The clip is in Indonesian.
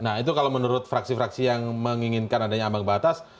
nah itu kalau menurut fraksi fraksi yang menginginkan adanya ambang batas